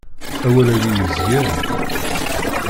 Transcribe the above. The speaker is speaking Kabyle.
Awal-agi yesgan.